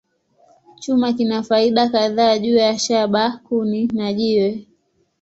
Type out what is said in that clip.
Chuma kina faida kadhaa juu ya shaba, kuni, na jiwe.